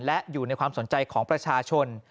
และอยู่ในความสนใจของประชาชน